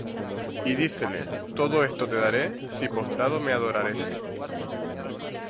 Y dícele: Todo esto te daré, si postrado me adorares.